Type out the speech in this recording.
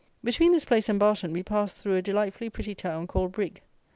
Between this place and Barton we passed through a delightfully pretty town called Brigg.